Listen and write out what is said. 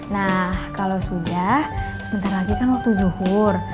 nah kalau sudah sebentar lagi kan waktu zuhur